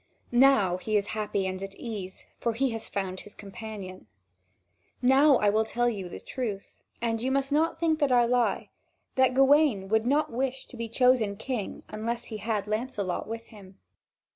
Now he is happy and at ease, when he has found his companion. Now I will tell you the truth, and you must not think I lie, that Gawain would not wish to be chosen king, unless he had Lancelot with him.